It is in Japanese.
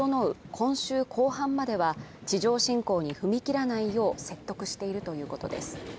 今週後半までは地上侵攻に踏み切らないよう説得しているということです